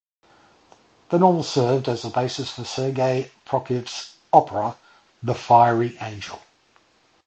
The novel served as the basis for Sergei Prokofiev's opera "The Fiery Angel".